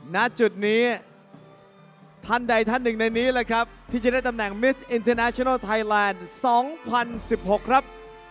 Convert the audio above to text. ณจุดนี้ท่านใดท่านหนึ่งในนี้เลยครับที่จะได้ตำแหน่งมิสอินเทอร์นาชนัลไทยแลนด์๒๐๑๖ครับ